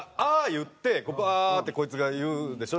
言ってこうバーッてこいつが言うでしょ？